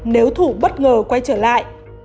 nếu thủ bất ngờ quay trở lại